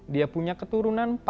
dia punya keturunan empat